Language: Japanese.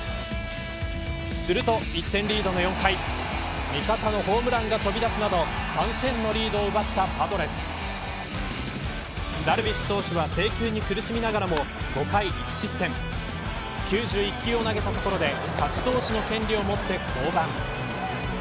すると、１点リードの４回味方のホームランが飛び出すなど３点のリードを奪ったパドレス。ダルビッシュ投手は制球に苦しみながらも５回１失点９１球を投げたところで勝ち投手の権利を持って降板。